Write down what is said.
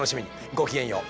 ごきげんよう。